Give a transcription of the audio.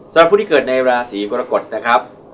สำหรับผู้ที่เกิดในราศีกรกฎนะครับ